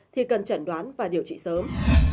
thì cần chẩn đoán và điều trị sớm